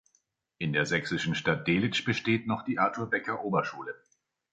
In der sächsischen Stadt Delitzsch besteht noch die Artur-Becker-Oberschule.